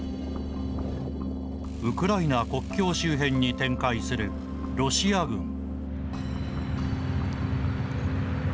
ウクライナ国境周辺に展開するロシア軍。